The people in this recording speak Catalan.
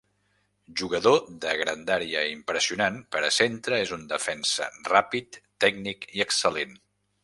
Jugador de grandària impressionant per a centre, és un defensa ràpid, tècnic i excel·lent.